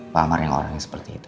pak amar yang orangnya seperti itu